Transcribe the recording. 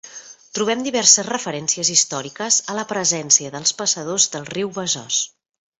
Trobem diverses referències històriques a la presència dels passadors del riu Besòs.